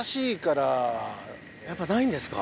やっぱないんですか。